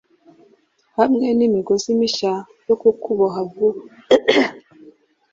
hamwe n imigozi mishya yo kukuboha vuba?